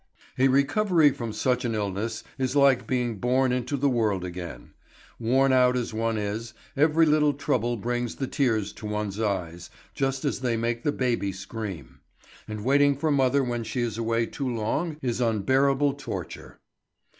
A recovery from such an illness is like being born into the world again. Worn out as one is, every little trouble brings the tears to one's eyes, just as they make the baby scream; and waiting for mother when she is away too long is unbearable torture.